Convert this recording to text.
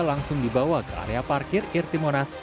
langsung dibawa ke area parkir irtimonas